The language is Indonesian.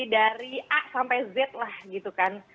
dari a sampai z lah gitu kan